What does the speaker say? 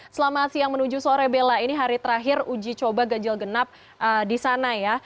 selamat siang menuju sore bella ini hari terakhir uji coba ganjil genap di sana ya